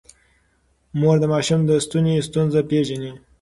مور د ماشوم د ستوني ستونزه پېژني.